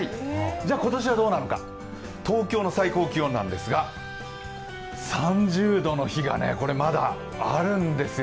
じゃ、今年はどうなのか、東京の最高気温なんですが、３０度の日が、まだあるんですよ。